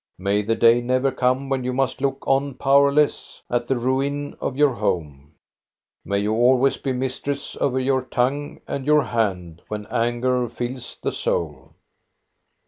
May the day never come when you must look on powerless at the ruin of your home ! May you always be mistress over your tongue and your hand when anger fills the soul